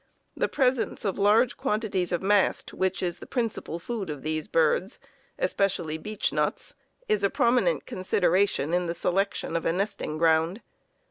The presence of large quantities of mast, which is the principal food of these birds, especially beech nuts, is a prominent consideration in the selection of a nesting ground.